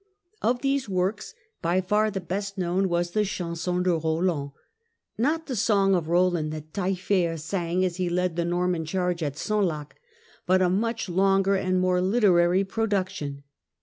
Of these works by far the best known was the Chanson '/< Roland — not the Song of Roland that Taillefer sang as he led the Norman charge at Senlac, but a much longer and more literary production.